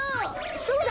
そうだ！